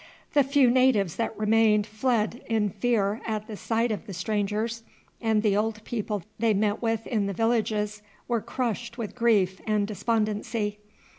The few natives that remained fled in fear at the sight of the strangers, and the old people they met with in the villages were crushed with grief and despondency.